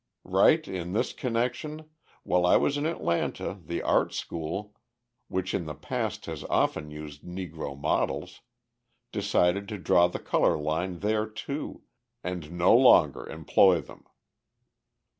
Right in this connection: while I was in Atlanta, the Art School, which in the past has often used Negro models, decided to draw the colour line there, too, and no longer employ them.